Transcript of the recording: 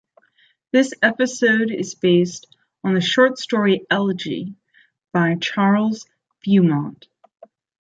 This episode is based on the short story "Elegy" by Charles Beaumont.